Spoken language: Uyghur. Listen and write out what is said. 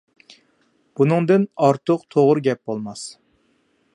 بۇنىڭدىن ئارتۇق توغرا گەپ بولماس.